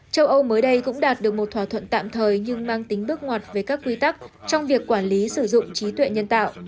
châu âu mới đây cũng đạt được một thỏa thuận tạm thời nhưng mang tính bước ngoặt về các quy tắc trong việc quản lý sử dụng trí tuệ nhân tạo